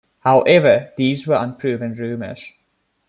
However, these were unproven rumours.